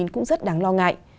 cũng rất đáng lo ngại